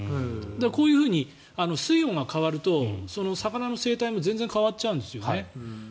こういうふうに水温が変わると魚の生態も全然変わっちゃうんですよね。